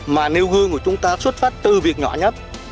mà nêu gương của chúng ta xuất phát từ việc nhỏ nhất